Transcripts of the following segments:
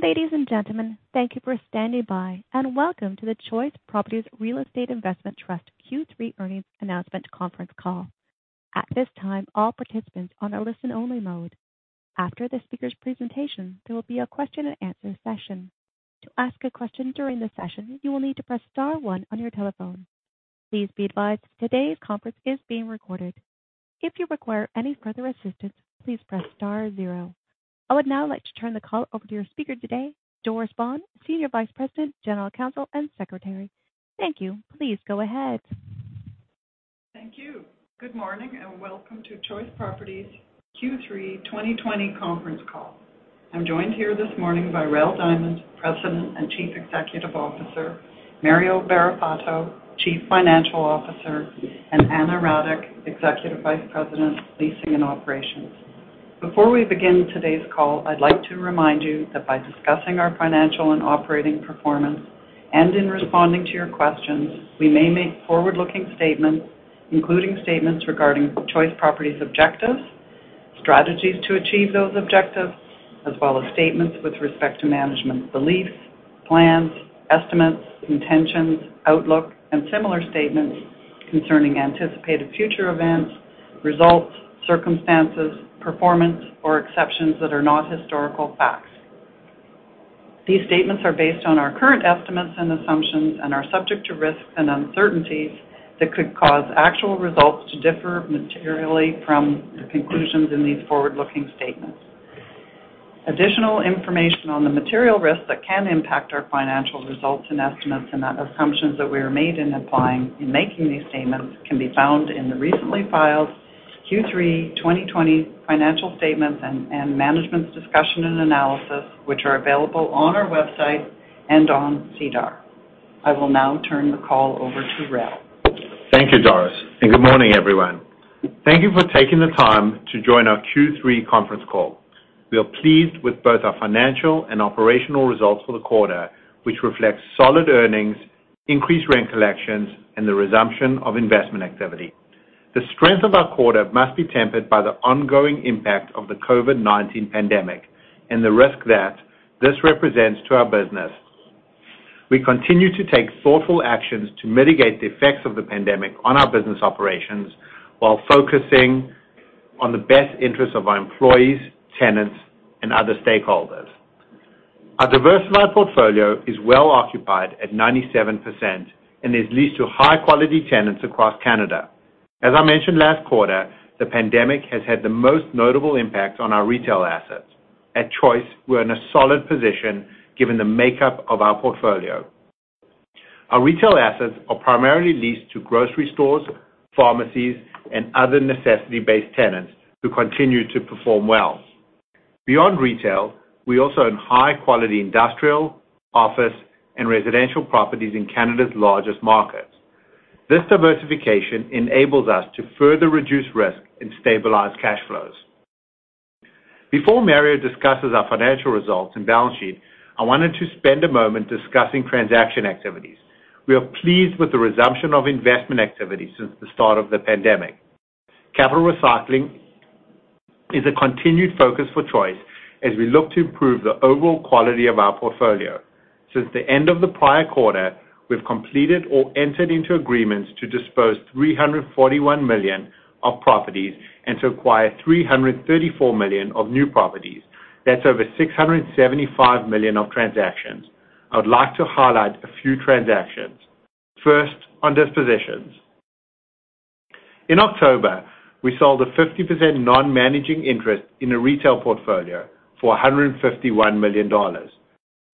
Ladies and gentlemen, thank you for standing by, and welcome to the Choice Properties Real Estate Investment Trust Q3 earnings announcement conference call. At this time, all participants are on a listen-only mode. After the speakers' presentation, there will be a question-and-answer session. To ask a question during the session, you will need to press star one on your telephone. Please be advised today's conference is being recorded. If you require any further assistance, please press star zero.I would now like to turn the call over to your speaker today, Doris Baughan, Senior Vice President, General Counsel, and Secretary. Thank you. Please go ahead. Thank you. Good morning, welcome to Choice Properties Q3 2020 conference call. I'm joined here this morning by Rael Diamond, President and Chief Executive Officer, Mario Barrafato, Chief Financial Officer, and Anna Radic, Executive Vice President, Leasing and Operations. Before we begin today's call, I'd like to remind you that by discussing our financial and operating performance and in responding to your questions, we may make forward-looking statements, including statements regarding Choice Properties objectives, strategies to achieve those objectives, as well as statements with respect to management's beliefs, plans, estimates, intentions, outlook, and similar statements concerning anticipated future events, results, circumstances, performance, or exceptions that are not historical facts. These statements are based on our current estimates and assumptions and are subject to risks and uncertainties that could cause actual results to differ materially from the conclusions in these forward-looking statements. Additional information on the material risks that can impact our financial results and estimates and the assumptions that we are made in applying in making these statements can be found in the recently filed Q3 2020 financial statements and management's discussion and analysis, which are available on our website and on SEDAR. I will now turn the call over to Rael. Thank you, Doris, good morning, everyone. Thank you for taking the time to join our Q3 conference call. We are pleased with both our financial and operational results for the quarter, which reflects solid earnings, increased rent collections, and the resumption of investment activity. The strength of our quarter must be tempered by the ongoing impact of the COVID-19 pandemic and the risk that this represents to our business. We continue to take thoughtful actions to mitigate the effects of the pandemic on our business operations while focusing on the best interests of our employees, tenants, and other stakeholders. Our diversified portfolio is well occupied at 97% and is leased to high-quality tenants across Canada. As I mentioned last quarter, the pandemic has had the most notable impact on our retail assets. At Choice, we're in a solid position given the makeup of our portfolio. Our retail assets are primarily leased to grocery stores, pharmacies, and other necessity-based tenants who continue to perform well. Beyond retail, we also own high-quality industrial, office, and residential properties in Canada's largest markets. This diversification enables us to further reduce risk and stabilize cash flows. Before Mario discusses our financial results and balance sheet, I wanted to spend a moment discussing transaction activities. We are pleased with the resumption of investment activity since the start of the pandemic. Capital recycling is a continued focus for Choice as we look to improve the overall quality of our portfolio. Since the end of the prior quarter, we've completed or entered into agreements to dispose of 341 million of properties and to acquire 334 million of new properties. That's over 675 million of transactions. I would like to highlight a few transactions. First, on dispositions. In October, we sold a 50% non-managing interest in a retail portfolio for 151 million dollars.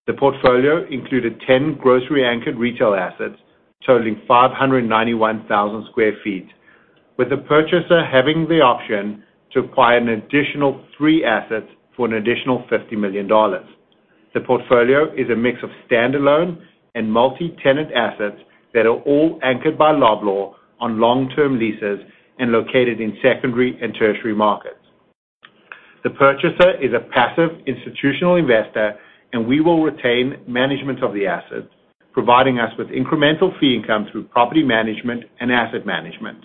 The portfolio included 10 grocery-anchored retail assets totaling 591,000 sq ft, with the purchaser having the option to acquire an additional three assets for an additional CAD 50 million. The portfolio is a mix of standalone and multi-tenant assets that are all anchored by Loblaw on long-term leases and located in secondary and tertiary markets. The purchaser is a passive institutional investor, and we will retain management of the asset, providing us with incremental fee income through property management and asset management.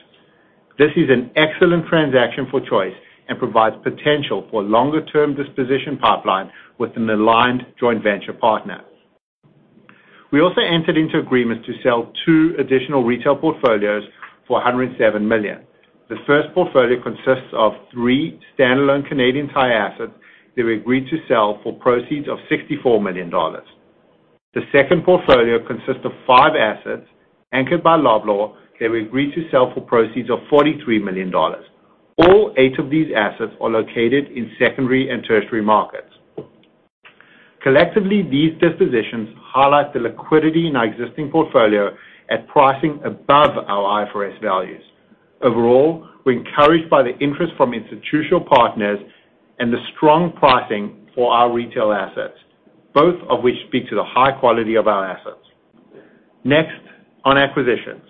This is an excellent transaction for Choice and provides potential for a longer-term disposition pipeline with an aligned joint venture partner. We also entered into agreements to sell two additional retail portfolios for 107 million. The first portfolio consists of three standalone Canadian Tire assets that we agreed to sell for proceeds of 64 million dollars. The second portfolio consists of five assets anchored by Loblaw that we agreed to sell for proceeds of 43 million dollars. All eight of these assets are located in secondary and tertiary markets. Collectively, these dispositions highlight the liquidity in our existing portfolio at pricing above our IFRS values. Overall, we're encouraged by the interest from institutional partners and the strong pricing for our retail assets, both of which speak to the high quality of our assets. Next, on acquisitions.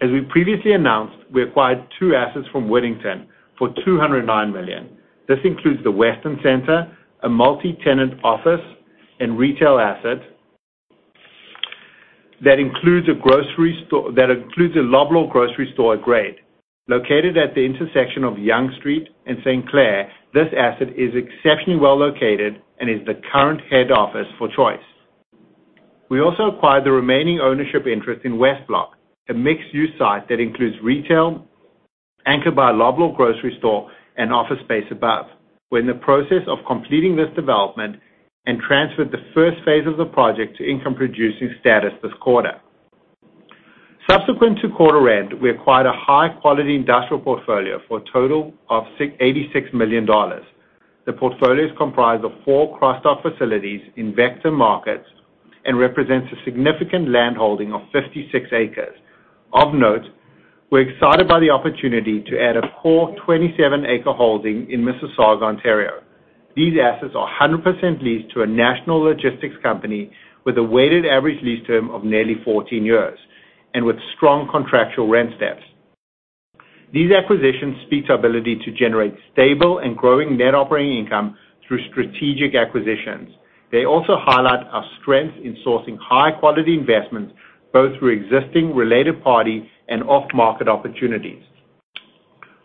As we previously announced, we acquired two assets from Wittington for 209 million. This includes the Weston Centre, a multi-tenant office and retail asset that includes a Loblaw grocery store at grade. Located at the intersection of Yonge Street and St. Clair, this asset is exceptionally well located and is the current head office for Choice. We also acquired the remaining ownership interest in West Block, a mixed-use site that includes retail anchored by a Loblaw grocery store and office space above. We are in the process of completing this development and transferred the first phase of the project to income-producing status this quarter. Subsequent to quarter end, we acquired a high-quality industrial portfolio for a total of 86 million dollars. The portfolio is comprised of four cross-dock facilities in vector markets and represents a significant land holding of 56 acres. Of note, we are excited by the opportunity to add a core 27-acre holding in Mississauga, Ontario. These assets are 100% leased to a national logistics company with a weighted average lease term of nearly 14 years and with strong contractual rent steps. These acquisitions speak to our ability to generate stable and growing net operating income through strategic acquisitions. They also highlight our strength in sourcing high-quality investments, both through existing related party and off-market opportunities.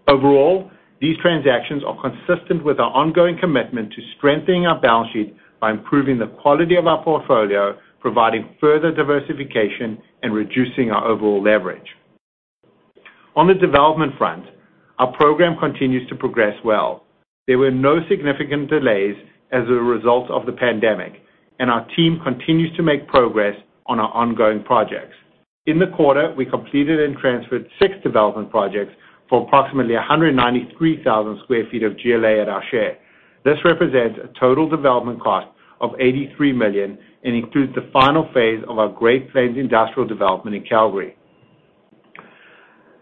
Overall, these transactions are consistent with our ongoing commitment to strengthening our balance sheet by improving the quality of our portfolio, providing further diversification, and reducing our overall leverage. On the development front, our program continues to progress well. There were no significant delays as a result of the pandemic, and our team continues to make progress on our ongoing projects. In the quarter, we completed and transferred six development projects for approximately 193,000 sq ft of GLA at our share. This represents a total development cost of 83 million and includes the final phase of our Great Plains industrial development in Calgary.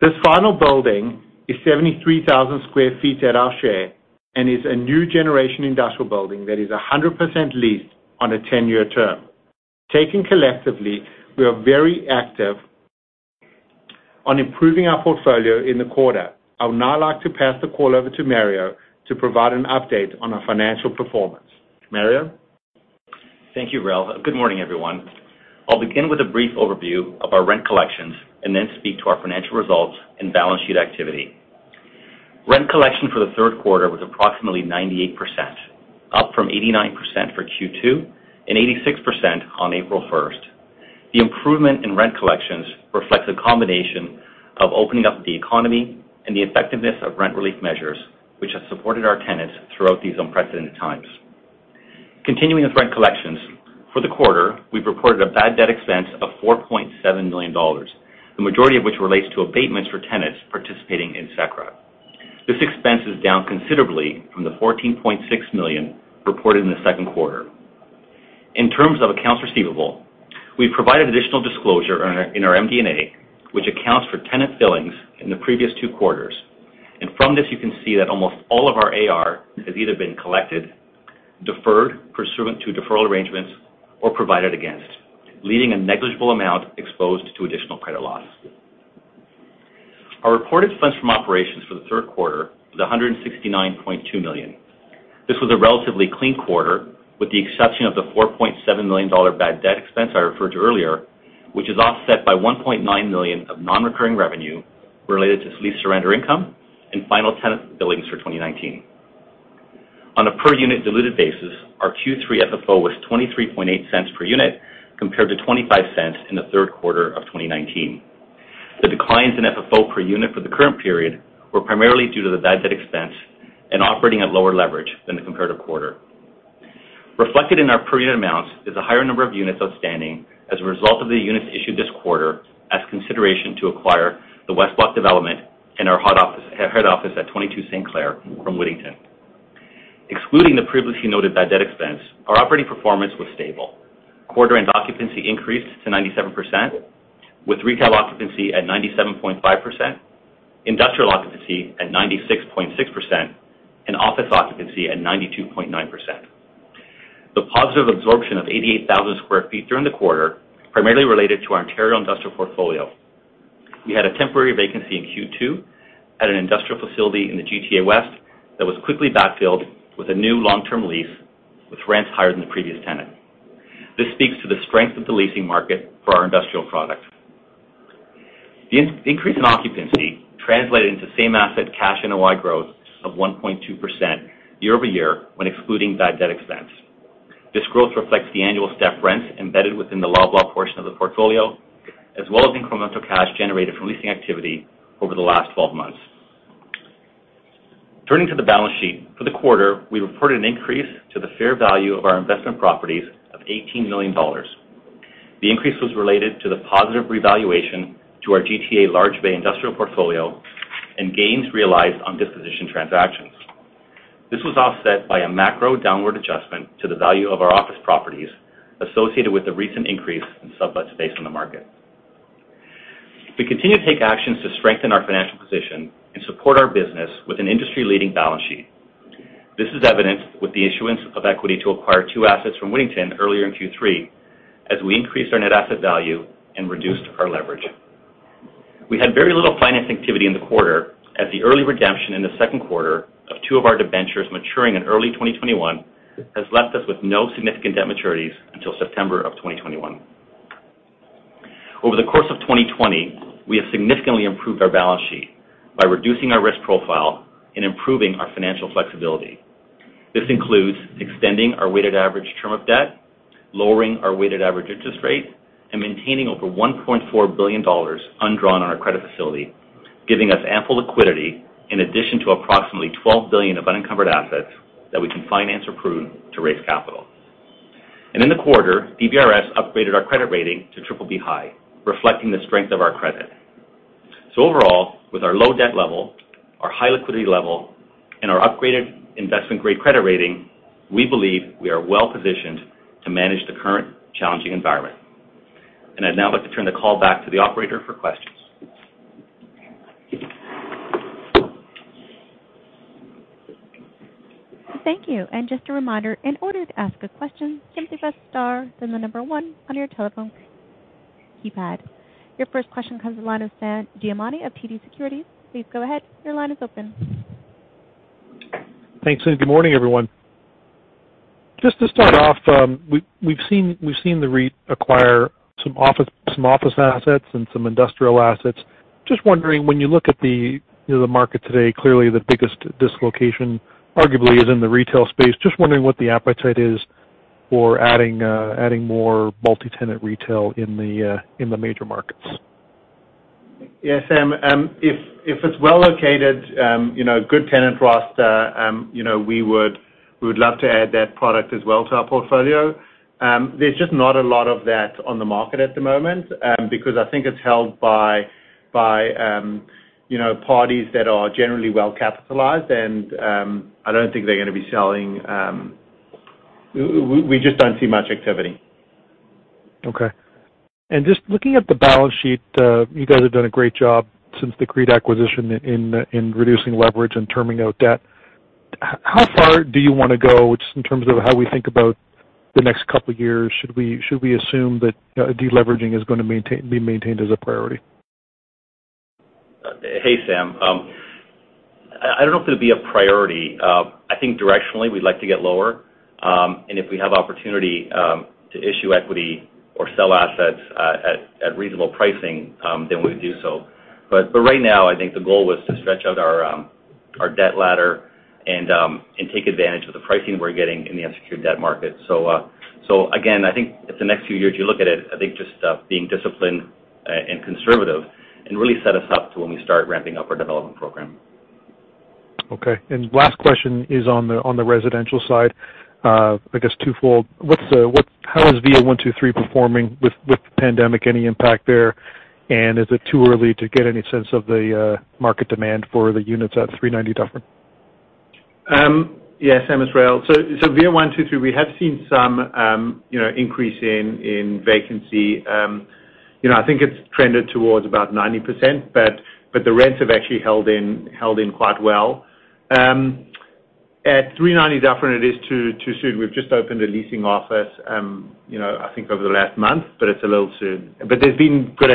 This final building is 73,000 sq ft at our share and is a new generation industrial building that is 100% leased on a 10-year term. Taken collectively, we are very active on improving our portfolio in the quarter. I would now like to pass the call over to Mario to provide an update on our financial performance. Mario? Thank you, Rael. Good morning, everyone. I'll begin with a brief overview of our rent collections and then speak to our financial results and balance sheet activity. Rent collection for the third quarter was approximately 98%, up from 89% for Q2 and 86% on April 1st. The improvement in rent collections reflects a combination of opening up the economy and the effectiveness of rent relief measures, which have supported our tenants throughout these unprecedented times. Continuing with rent collections, for the quarter, we've reported a bad debt expense of 4.7 million dollars, the majority of which relates to abatements for tenants participating in CECRA. This expense is down considerably from the 14.6 million reported in the second quarter. In terms of accounts receivable, we provided additional disclosure in our MD&A, which accounts for tenant billings in the previous two quarters. From this, you can see that almost all of our AR has either been collected, deferred pursuant to deferral arrangements, or provided against, leaving a negligible amount exposed to additional credit loss. Our reported funds from operations for the third quarter was 169.2 million. This was a relatively clean quarter, with the exception of the 4.7 million dollar bad debt expense I referred to earlier, which is offset by 1.9 million of non-recurring revenue related to lease surrender income and final tenant billings for 2019. On a per unit diluted basis, our Q3 FFO was 0.238 per unit, compared to 0.25 in the third quarter of 2019. The declines in FFO per unit for the current period were primarily due to the bad debt expense and operating at lower leverage than the comparative quarter. Reflected in our per unit amounts is a higher number of units outstanding as a result of the units issued this quarter as consideration to acquire the West Block development and our head office at 22 St. Clair from Wittington. Excluding the previously noted bad debt expense, our operating performance was stable. Quarter end occupancy increased to 97%, with retail occupancy at 97.5%, industrial occupancy at 96.6%, and office occupancy at 92.9%. The positive absorption of 88,000 sq ft during the quarter primarily related to our Ontario industrial portfolio. We had a temporary vacancy in Q2 at an industrial facility in the GTA West that was quickly backfilled with a new long-term lease with rents higher than the previous tenant. This speaks to the strength of the leasing market for our industrial product. The increase in occupancy translated into same asset cash NOI growth of 1.2% year-over-year when excluding bad debt expense. This growth reflects the annual step rents embedded within the Loblaw portion of the portfolio, as well as incremental cash generated from leasing activity over the last 12 months. Turning to the balance sheet. For the quarter, we reported an increase to the fair value of our investment properties of 18 million dollars. The increase was related to the positive revaluation to our GTA Large Bay industrial portfolio and gains realized on disposition transactions. This was offset by a macro downward adjustment to the value of our office properties associated with the recent increase in sublet space on the market. We continue to take actions to strengthen our financial position and support our business with an industry-leading balance sheet. This is evidenced with the issuance of equity to acquire two assets from Wittington earlier in Q3 as we increased our net asset value and reduced our leverage. We had very little finance activity in the quarter as the early redemption in the second quarter of two of our debentures maturing in early 2021 has left us with no significant debt maturities until September of 2021. Over the course of 2020, we have significantly improved our balance sheet by reducing our risk profile and improving our financial flexibility. This includes extending our weighted average term of debt, lowering our weighted average interest rate, and maintaining over CAD 1.4 billion undrawn on our credit facility, giving us ample liquidity in addition to approximately CAD 12 billion of unencumbered assets that we can finance or prune to raise capital. In the quarter, DBRS upgraded our credit rating to triple B high, reflecting the strength of our credit. Overall, with our low debt level, our high liquidity level, and our upgraded investment-grade credit rating, we believe we are well-positioned to manage the current challenging environment. I'd now like to turn the call back to the operator for questions. Thank you. Just a reminder, in order to ask a question, simply press star, then the number one on your telephone keypad. Your first question comes from the line of Sam Damiani of TD Securities. Please go ahead. Your line is open. Thanks. Good morning, everyone. Just to start off, we've seen the REIT acquire some office assets and some industrial assets. Just wondering, when you look at the market today, clearly the biggest dislocation arguably is in the retail space. Just wondering what the appetite is for adding more multi-tenant retail in the major markets? Yeah, Sam. If it's well located, good tenant roster, we would love to add that product as well to our portfolio. There's just not a lot of that on the market at the moment, because I think it's held by parties that are generally well-capitalized, and I don't think they're going to be selling. We just don't see much activity. Okay. Just looking at the balance sheet, you guys have done a great job since the CREIT acquisition in reducing leverage and terming out debt. How far do you want to go, just in terms of how we think about the next couple of years? Should we assume that de-leveraging is going to be maintained as a priority? Hey, Sam. I don't know if it'll be a priority. I think directionally, we'd like to get lower. If we have opportunity to issue equity or sell assets at reasonable pricing, we'd do so. For right now, I think the goal was to stretch out our debt ladder and take advantage of the pricing we're getting in the unsecured debt market. Again, I think it's the next few years, you look at it, I think just being disciplined and conservative and really set us up to when we start ramping up our development program. Okay. Last question is on the residential side. I guess twofold. How is VIA 123 performing with the pandemic? Any impact there? Is it too early to get any sense of the market demand for the units at 390 Dufferin? Yeah, Sam, it's Rael. VIA 123, we have seen some increase in vacancy. I think it's trended towards about 90%, but the rents have actually held in quite well. At 390 Dufferin, it is too soon. We've just opened a leasing office, I think over the last month, but it's a little soon. There's been good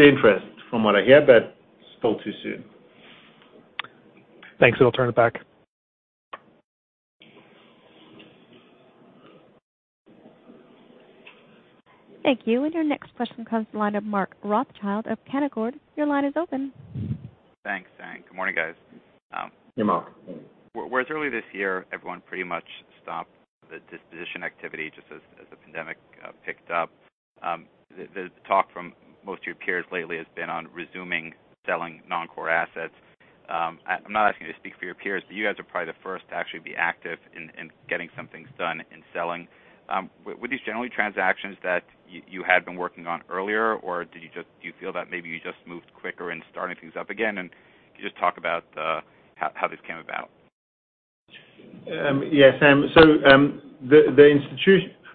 interest from what I hear, but still too soon. Thanks. I'll turn it back. Thank you. Your next question comes the line of Mark Rothschild of Canaccord. Your line is open. Thanks. Good morning, guys. Hey, Mark. Whereas early this year, everyone pretty much stopped the disposition activity just as the pandemic picked up. The talk from most of your peers lately has been on resuming selling non-core assets. I'm not asking you to speak for your peers, but you guys are probably the first to actually be active in getting some things done in selling. Were these generally transactions that you had been working on earlier, or do you feel that maybe you just moved quicker in starting things up again, and can you just talk about how this came about? Yes.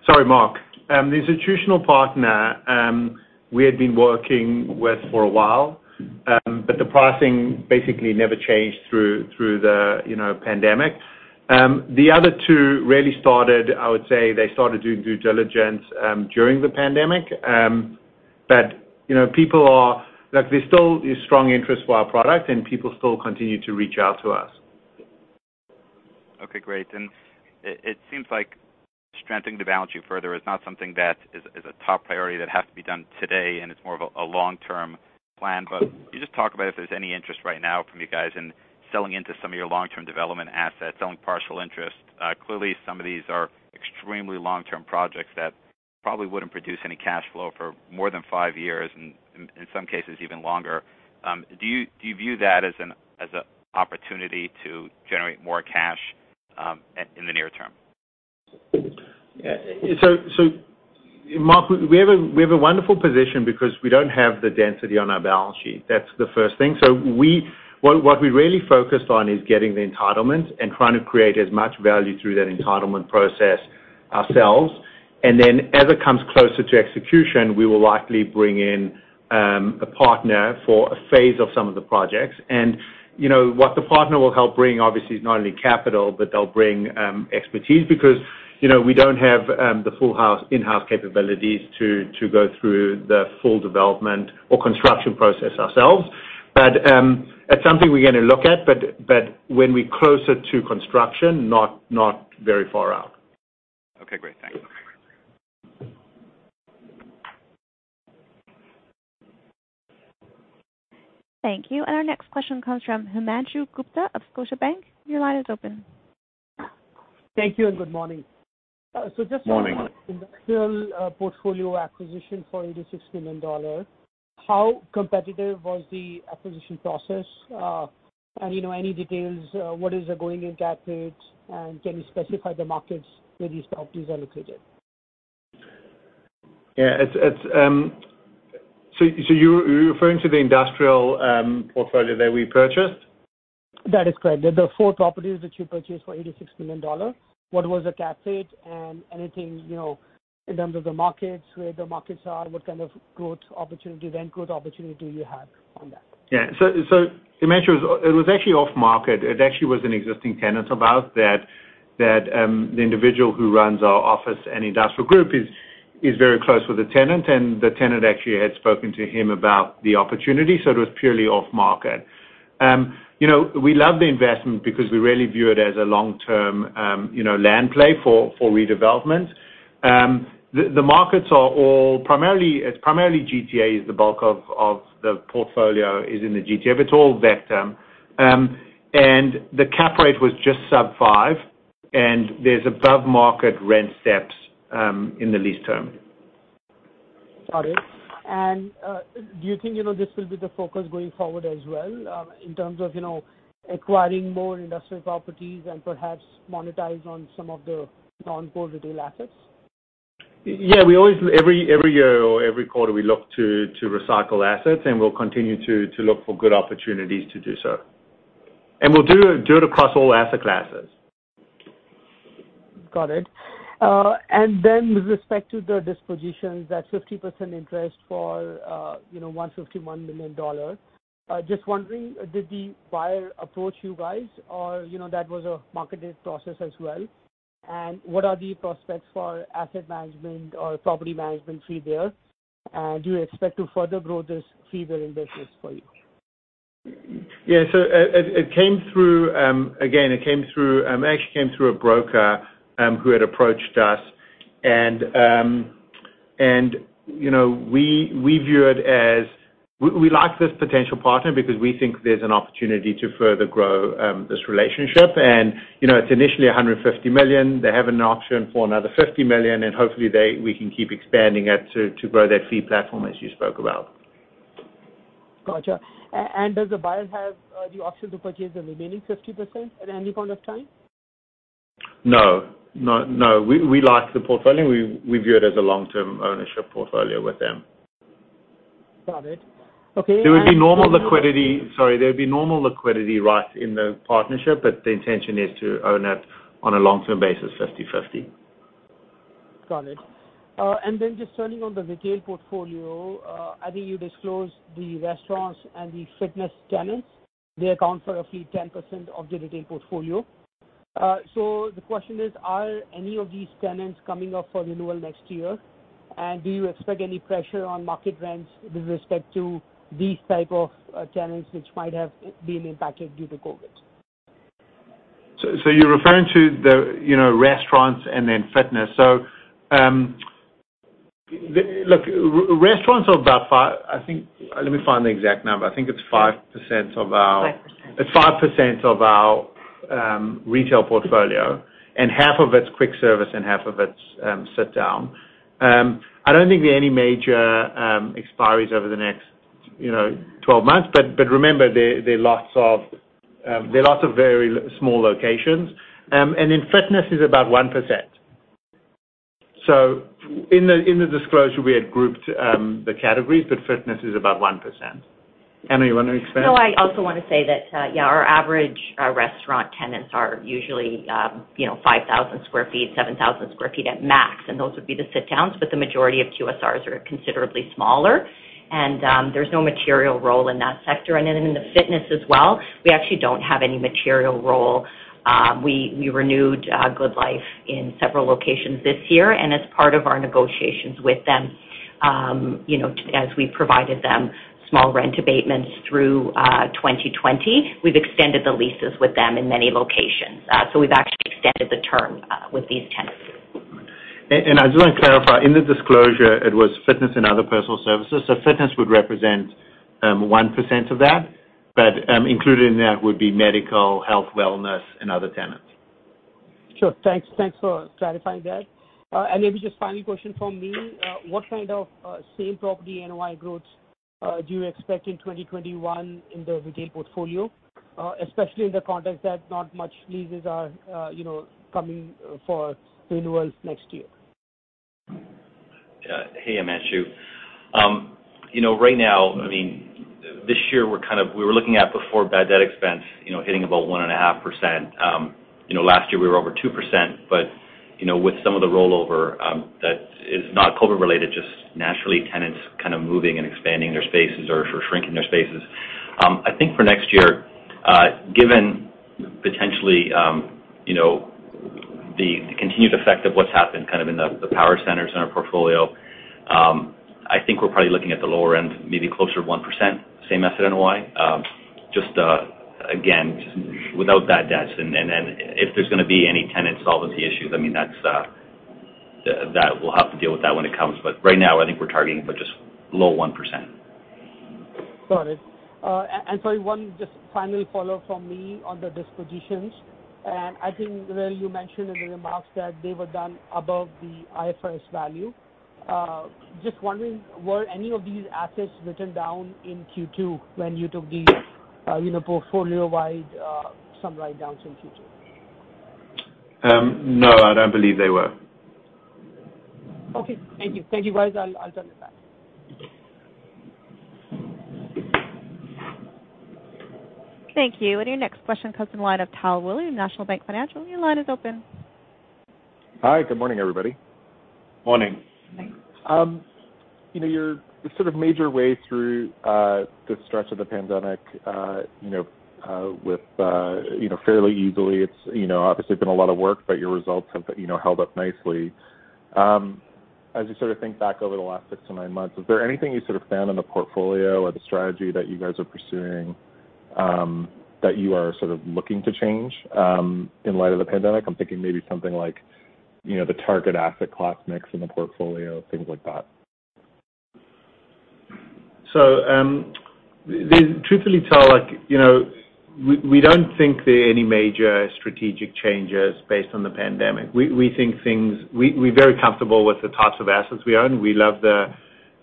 Sorry, Mark. The institutional partner we had been working with for a while, but the pricing basically never changed through the pandemic. The other two really started, I would say, they started doing due diligence during the pandemic. There's still a strong interest for our product and people still continue to reach out to us. Okay, great. It seems like strengthening the balance sheet further is not something that is a top priority that has to be done today, and it's more of a long-term plan. Can you just talk about if there's any interest right now from you guys in selling into some of your long-term development assets, selling partial interest? Clearly, some of these are extremely long-term projects that probably wouldn't produce any cash flow for more than five years, in some cases even longer. Do you view that as an opportunity to generate more cash in the near term? Mark, we have a wonderful position because we don't have the density on our balance sheet. That's the first thing. What we really focused on is getting the entitlement and trying to create as much value through that entitlement process ourselves. Then as it comes closer to execution, we will likely bring in a partner for a phase of some of the projects. What the partner will help bring, obviously, is not only capital, but they'll bring expertise because we don't have the full in-house capabilities to go through the full development or construction process ourselves. It's something we're going to look at, but when we closer to construction, not very far out. Okay, great. Thanks. Thank you. Our next question comes from Himanshu Gupta of Scotiabank. Your line is open. Thank you and good morning. Good morning. Just on the industrial portfolio acquisition for 86 million dollars, how competitive was the acquisition process? Any details, what is the going-in cap rate? Can you specify the markets where these properties are located? You're referring to the industrial portfolio that we purchased? That is correct. The four properties that you purchased for 86 million dollars. What was the cap rate? Anything, in terms of the markets, where the markets are, what kind of growth opportunity, rent growth opportunity you have on that? Yeah. Himanshu, it was actually off-market. It actually was an existing tenant of ours that the individual who runs our office and industrial group is very close with the tenant, and the tenant actually had spoken to him about the opportunity. It was purely off-market. We love the investment because we really view it as a long-term land play for redevelopment. It's primarily GTA is the bulk of the portfolio, is in the GTA. It's all gateway. The cap rate was just sub 5%, and there's above market rent steps in the lease term. Got it. Do you think this will be the focus going forward as well, in terms of acquiring more industrial properties and perhaps monetize on some of the non-core retail assets? Yeah, every year or every quarter, we look to recycle assets, and we'll continue to look for good opportunities to do so. We'll do it across all asset classes. Got it. With respect to the dispositions, that 50% interest for 151 million dollars, just wondering, did the buyer approach you guys or that was a marketed process as well? What are the prospects for asset management or property management fee there? Do you expect to further grow this fee-bearing business for you? Yeah. Again, it actually came through a broker who had approached us and we like this potential partner because we think there's an opportunity to further grow this relationship. It's initially 150 million. They have an option for another 50 million, and hopefully we can keep expanding it to grow their fee platform as you spoke about. Got you. Does the buyer have the option to purchase the remaining 50% at any point of time? No. We liked the portfolio. We view it as a long-term ownership portfolio with them. Got it. Okay. Sorry. There'd be normal liquidity rights in the partnership, but the intention is to own it on a long-term basis, 50/50. Got it. Just turning on the retail portfolio, I think you disclosed the restaurants and the fitness tenants. They account for roughly 10% of the retail portfolio. The question is, are any of these tenants coming up for renewal next year? Do you expect any pressure on market rents with respect to these type of tenants, which might have been impacted due to COVID? You're referring to the restaurants and then fitness. Look, restaurants are about 5% of our- 5%. It's 5% of our retail portfolio, and half of it's quick service and half of it's sit-down. I don't think there are any major expiries over the next 12 months. Remember, there are lots of very small locations. In fitness, it's about 1%. In the disclosure, we had grouped the categories, but fitness is about 1%. Anna, you want to expand? I also want to say that, yeah, our average restaurant tenants are usually 5,000 sq ft, 7,000 sq ft at max, and those would be the sit-downs. The majority of QSRs are considerably smaller, and there's no material role in that sector. In the fitness as well, we actually don't have any material role. We renewed GoodLife in several locations this year, and as part of our negotiations with them as we provided them small rent abatements through 2020, we've extended the leases with them in many locations. We've actually extended the term with these tenants. I just want to clarify. In the disclosure, it was fitness and other personal services. Fitness would represent 1% of that. Included in that would be medical, health, wellness, and other tenants. Sure. Thanks for clarifying that. Maybe just final question from me. What kind of same property NOI growth do you expect in 2021 in the retail portfolio, especially in the context that not much leases are coming for renewals next year? Hey, Himanshu. Right now, this year we were looking at before bad debt expense hitting about 1.5%. Last year we were over 2%, with some of the rollover that is not COVID related, just naturally tenants kind of moving and expanding their spaces or shrinking their spaces. I think for next year, given potentially the continued effect of what's happened in the power centers in our portfolio. I think we're probably looking at the lower end, maybe closer to 1%, same-asset NOI. Just, again, without bad debts if there's going to be any tenant solvency issues, we'll have to deal with that when it comes. Right now, I think we're targeting just below 1%. Got it. Sorry, one just final follow-up from me on the dispositions. I think where you mentioned in the remarks that they were done above the IFRS value. Just wondering, were any of these assets written down in Q2 when you took these portfolio-wide write-downs in Q2? No, I don't believe they were. Okay. Thank you. Thank you, guys. I'll turn it back. Thank you. Your next question comes on the line of Tal Woolley of National Bank Financial. Your line is open. Hi. Good morning, everybody. Morning. Morning. You're sort of major way through the stretch of the pandemic fairly easily. It's obviously been a lot of work, but your results have held up nicely. As you sort of think back over the last six to nine months, is there anything you sort of found in the portfolio or the strategy that you guys are pursuing, that you are sort of looking to change, in light of the pandemic? I'm thinking maybe something like the target asset class mix in the portfolio, things like that. Truthfully, Tal, we don't think there are any major strategic changes based on the pandemic. We're very comfortable with the types of assets we own. We love the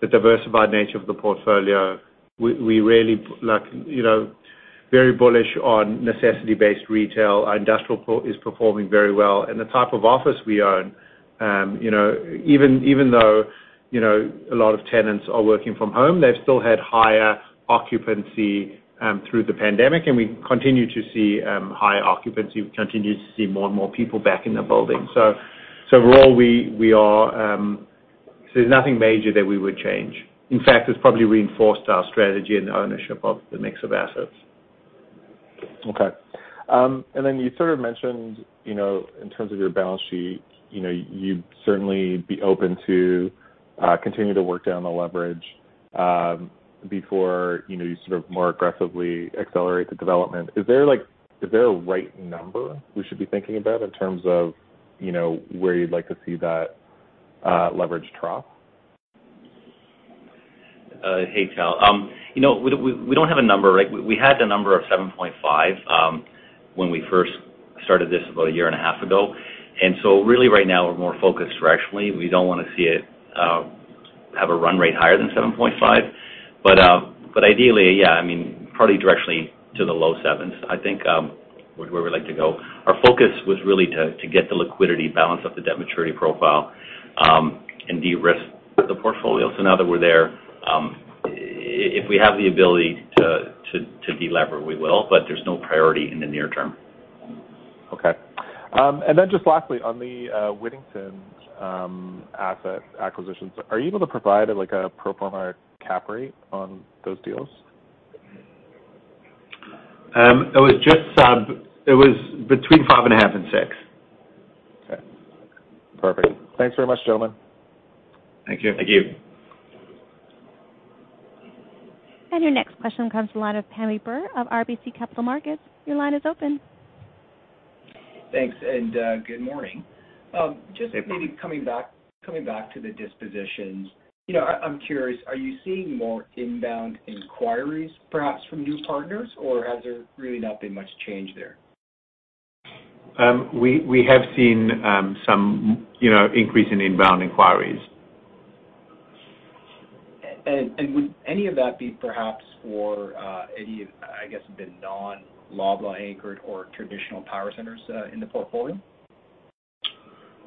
diversified nature of the portfolio. We're really bullish on necessity-based retail. Our industrial is performing very well. The type of office we own, even though a lot of tenants are working from home, they've still had higher occupancy through the pandemic, and we continue to see higher occupancy. We continue to see more and more people back in the building. Overall, there's nothing major that we would change. In fact, it's probably reinforced our strategy and ownership of the mix of assets. Okay. You sort of mentioned, in terms of your balance sheet, you'd certainly be open to continue to work down the leverage before you sort of more aggressively accelerate the development. Is there a right number we should be thinking about in terms of where you'd like to see that leverage drop? Hey, Tal. We don't have a number, right? We had the number of 7.5 when we first started this about a year and a half ago. Really right now, we're more focused directionally. We don't want to see it have a run rate higher than 7.5. Ideally, yeah, probably directionally to the low sevens, I think where we'd like to go. Our focus was really to get the liquidity balance of the debt maturity profile, and de-risk the portfolio. Now that we're there, if we have the ability to delever, we will, but there's no priority in the near term. Okay. Then just lastly, on the Wittington asset acquisitions, are you able to provide a pro forma cap rate on those deals? It was between five and a half and six. Okay. Perfect. Thanks very much, gentlemen. Thank you. Thank you. Your next question comes the line of Pammi Bir of RBC Capital Markets. Your line is open. Thanks, good morning. Just maybe coming back to the dispositions. I'm curious, are you seeing more inbound inquiries perhaps from new partners, or has there really not been much change there? We have seen some increase in inbound inquiries. Would any of that be perhaps for any of, I guess, the non-Loblaw anchored or traditional power centers, in the portfolio?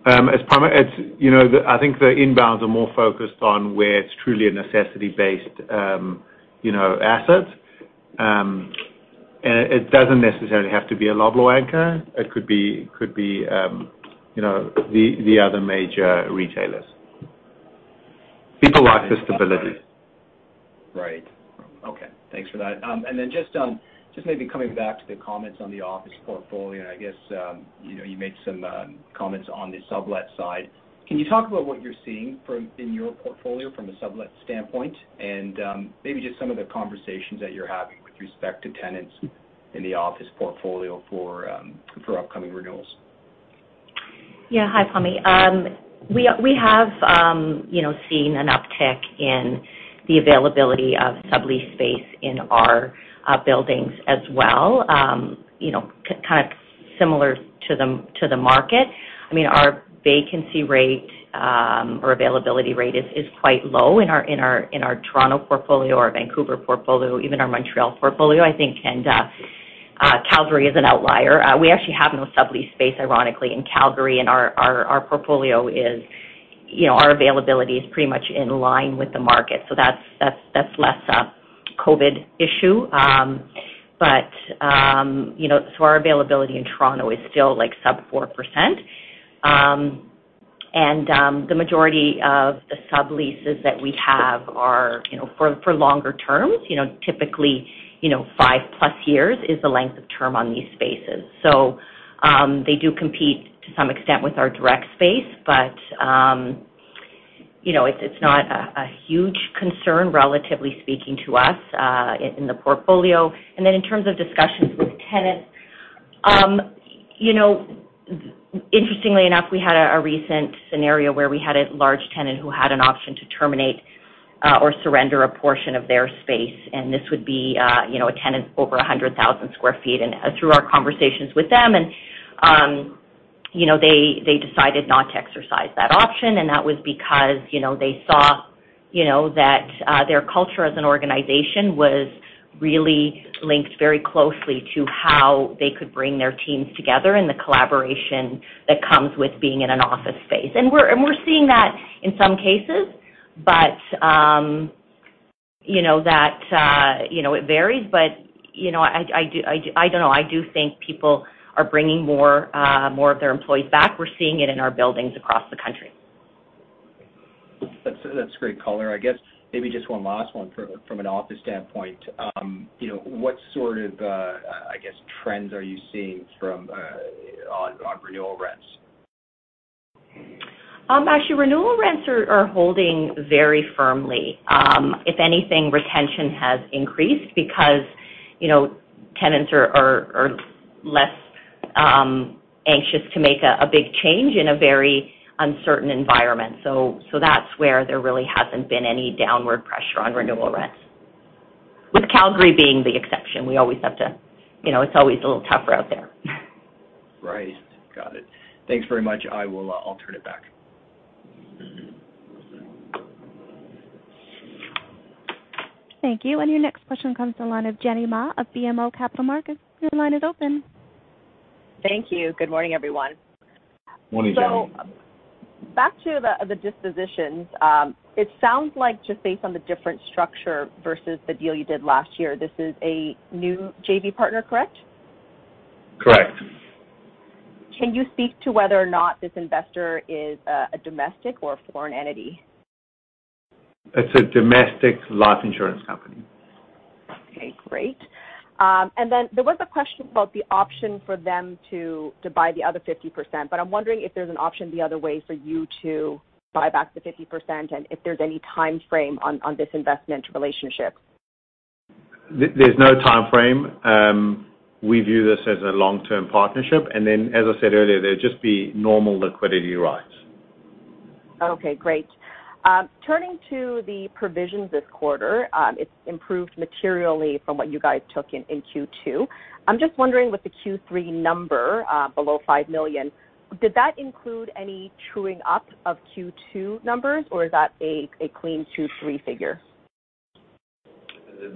I think the inbounds are more focused on where it's truly a necessity-based asset. It doesn't necessarily have to be a Loblaw anchor. It could be the other major retailers. People like the stability. Right. Okay. Thanks for that. Then just maybe coming back to the comments on the office portfolio, and I guess you made some comments on the sublet side. Can you talk about what you're seeing in your portfolio from a sublet standpoint and maybe just some of the conversations that you're having with respect to tenants in the office portfolio for upcoming renewals? Yeah. Hi, Pammi. We have seen an uptick in the availability of sublease space in our buildings as well, kind of similar to the market. Our vacancy rate or availability rate is quite low in our Toronto portfolio, our Vancouver portfolio, even our Montreal portfolio, I think. Calgary is an outlier. We actually have no sublease space, ironically, in Calgary, and our availability is pretty much in line with the market. That's less a COVID-19 issue. Our availability in Toronto is still sub 4%. The majority of the subleases that we have are for longer terms, typically, 5+ years is the length of term on these spaces. They do compete to some extent with our direct space. It's not a huge concern, relatively speaking to us in the portfolio. In terms of discussions with tenants, interestingly enough, we had a recent scenario where we had a large tenant who had an option to terminate or surrender a portion of their space, this would be a tenant over 100,000 sq ft. Through our conversations with them, they decided not to exercise that option, that was because they saw that their culture as an organization was really linked very closely to how they could bring their teams together and the collaboration that comes with being in an office space. We're seeing that in some cases, it varies, but I do think people are bringing more of their employees back. We're seeing it in our buildings across the country. That's great color. I guess maybe just one last one from an office standpoint. What sort of trends are you seeing on renewal rents? Actually, renewal rents are holding very firmly. If anything, retention has increased because tenants are less anxious to make a big change in a very uncertain environment. That's where there really hasn't been any downward pressure on renewal rents, with Calgary being the exception. It's always a little tougher out there. Right. Got it. Thanks very much. I'll turn it back. Thank you. Your next question comes to the line of Jenny Ma of BMO Capital Markets. Your line is open. Thank you. Good morning, everyone. Morning, Jenny. Back to the dispositions. It sounds like just based on the different structure versus the deal you did last year, this is a new JV partner, correct? Correct. Can you speak to whether or not this investor is a domestic or a foreign entity? It's a domestic life insurance company. Okay, great. There was a question about the option for them to buy the other 50%, but I'm wondering if there's an option the other way for you to buy back the 50% and if there's any timeframe on this investment relationship. There's no timeframe. We view this as a long-term partnership, and then as I said earlier, there'd just be normal liquidity rights. Okay, great. Turning to the provisions this quarter, it's improved materially from what you guys took in Q2. I'm just wondering with the Q3 number below 5 million, did that include any truing up of Q2 numbers, or is that a clean Q3 figure?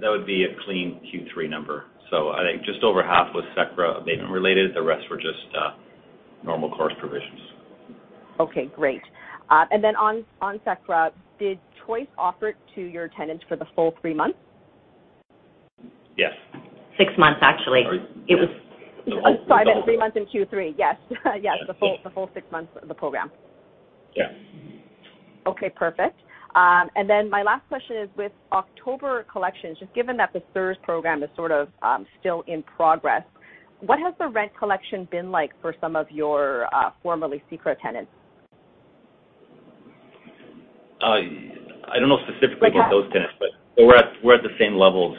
That would be a clean Q3 number. I think just over half was CECRA abatement related. The rest were just normal course provisions. Okay, great. On CECRA, did Choice offer it to your tenants for the full three months? Yes. Six months, actually. Sorry, yes. Oh, sorry. Three months in Q3. Yes. The full six months of the program. Yeah. Mm-hmm. Okay, perfect. My last question is with October collections, just given that the CERS Program is sort of still in progress, what has the rent collection been like for some of your formerly CECRA tenants? I don't know specifically with those tenants, but we're at the same levels,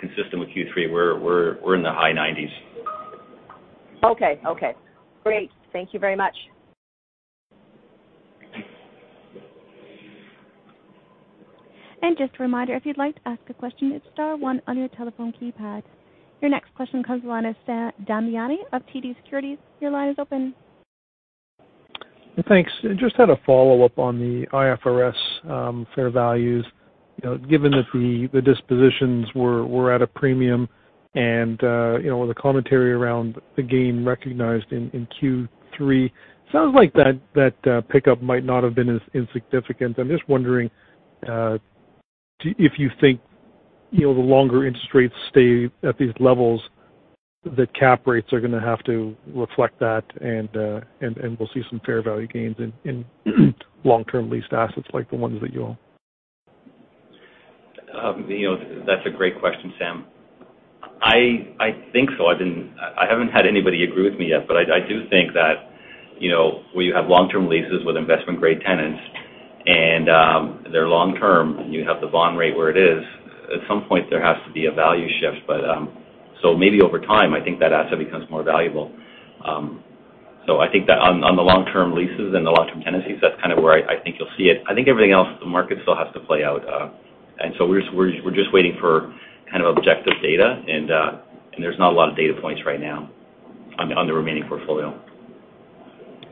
consistent with Q3. We're in the high 90s. Okay. Great. Thank you very much. Just a reminder, if you'd like to ask a question, it's star one on your telephone keypad. Your next question comes from the line of Sam Damiani of TD Securities. Your line is open. Thanks. Just had a follow-up on the IFRS fair values. Given that the dispositions were at a premium and with the commentary around the gain recognized in Q3, sounds like that pickup might not have been as insignificant. I'm just wondering if you think the longer interest rates stay at these levels, that cap rates are going to have to reflect that and we'll see some fair value gains in long-term leased assets like the ones that you own? That's a great question, Sam. I think so. I haven't had anybody agree with me yet, but I do think that where you have long-term leases with investment-grade tenants and they're long-term and you have the bond rate where it is, at some point there has to be a value shift. Maybe over time, I think that asset becomes more valuable. I think that on the long-term leases and the long-term tenancies, that's kind of where I think you'll see it. I think everything else, the market still has to play out. We're just waiting for kind of objective data, and there's not a lot of data points right now on the remaining portfolio.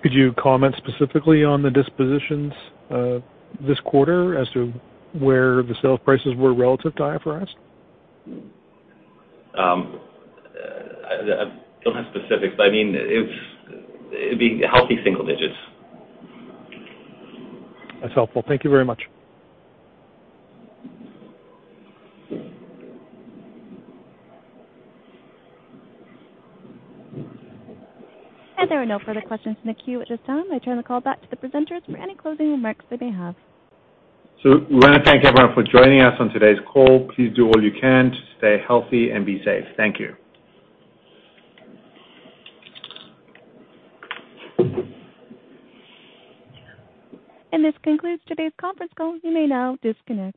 Could you comment specifically on the dispositions this quarter as to where the sale prices were relative to IFRS? I don't have specifics, but it'd be healthy single digits. That's helpful. Thank you very much. There are no further questions in the queue at this time. I turn the call back to the presenters for any closing remarks they may have. We want to thank everyone for joining us on today's call. Please do all you can to stay healthy and be safe. Thank you. This concludes today's conference call. You may now disconnect.